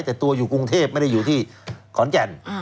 แต่ตัวอยู่กรุงเทพไม่ได้อยู่ที่ขอนแก่น